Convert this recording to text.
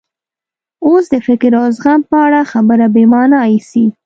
اوس د فکر او زغم په اړه خبره بې مانا ایسي.